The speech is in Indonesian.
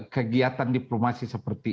kegiatan diplomasi seperti